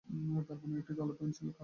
তার পরনে একটি কালো প্যান্ট, খালি গা।